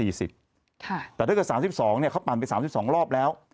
อีก๓๒เขาปั่นไป๓๒รอบแล้ว